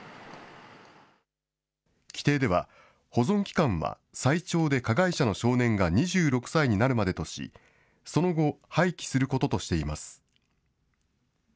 規程では、保存期間は最長で加害者の少年が２６歳になるまでとし、その後、廃棄することとしています。